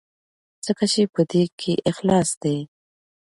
ځکه چې په دې کې اخلاص دی.